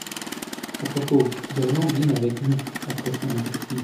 À propos, Vernon dîne avec nous après son autopsie.